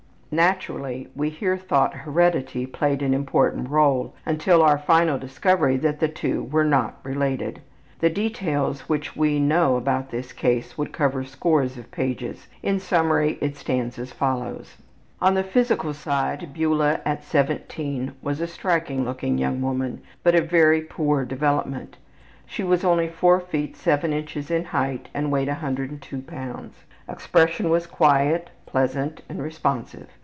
Naturally we here thought heredity played an important role, until our final discovery that the two were not related. The details which we know about this case would cover scores of pages. In summary it stands as follows: On the physical side Beula at 17 was a striking looking young woman, but of very poor development. She was only 4 ft. 7 in. in height and weighed 102 lbs. Expression was quiet, pleasant, and responsive.